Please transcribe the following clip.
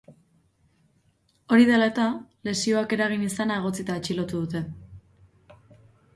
Hori dela eta, lesioak eragin izana egotzita atxilotu dute.